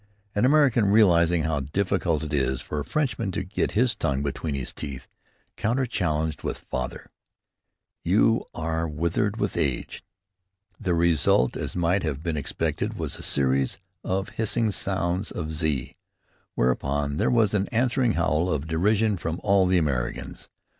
An American, realizing how difficult it is for a Frenchman to get his tongue between his teeth, counter challenged with "Father, you are withered with age." The result, as might have been expected, was a series of hissing sounds of z, whereupon there was an answering howl of derision from all the Americans.